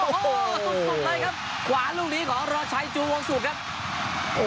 สุดของเลยครับขวาลูกนี้ของโรชัยจูงวงสุกครับ